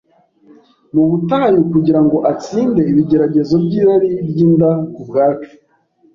mu butayu kugira ngo atsinde ibigeragezo by’irari ry’inda ku bwacu,